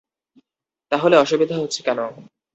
তা হলে অসুবিধা হচ্ছে কেন?